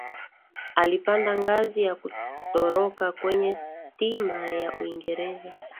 alipanda ngazi ya kutoroka kwenye stima ya uingereza